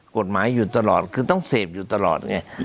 กฎหมายอยู่ตลอดคือต้องเสพอยู่ตลอดไง